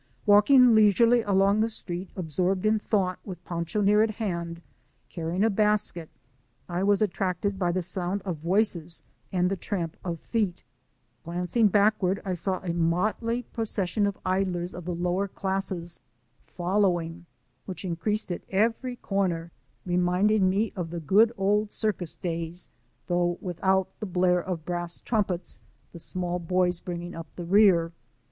Walking leisurely along the street, absorbed in thought, with Pancho near at hand carrying a basket, I was attracted by the sound of voices and the tramp of feet. Glancing backward, I saw a motley JN MOTHER AOAin 69 I procession of idlers of the lower classes following, which increased sX. every corner, reminding mu of good old circus days, though without the blare of brass instruments, the small boys bringing up the rear.